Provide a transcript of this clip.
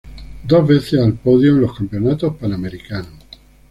Dos veces al podio en los Campeonatos Panamericanos.